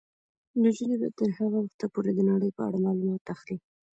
نجونې به تر هغه وخته پورې د نړۍ په اړه معلومات اخلي.